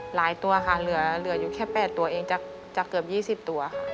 ตัวค่ะเหลืออยู่แค่๘ตัวเองจากเกือบ๒๐ตัวค่ะ